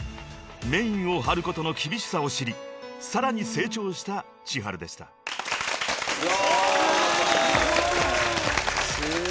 ［メインを張ることの厳しさを知りさらに成長したｃｈｉｈａｒｕでした］わすごい。